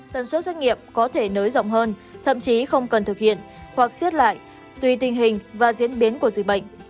tần suất doanh nghiệp có thể nới rộng hơn thậm chí không cần thực hiện hoặc xiết lại tùy tình hình và diễn biến của dịch bệnh